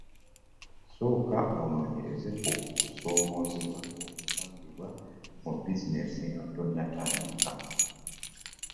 sooka onoonyereze ku kusoomoozebwa okusangibwa mu bizineesi nga tonagitandika.